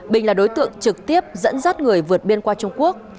bình là đối tượng trực tiếp dẫn dắt người vượt biên qua trung quốc